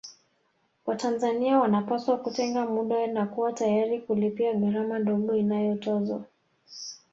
Watanzania wanapaswa kutenga muda na kuwa tayari kulipia gharama ndogo inayotozwa